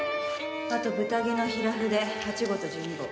あと豚毛の平筆８号と１２号。